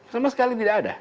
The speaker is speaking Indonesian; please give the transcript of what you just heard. sama sekali tidak ada